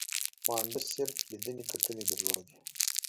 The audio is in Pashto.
مانډس صرف لیدنې کتنې درلودې.